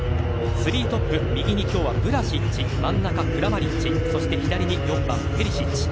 ３トップは右に今日はヴラシッチ真ん中、クラマリッチそして左に４番ペリシッチ。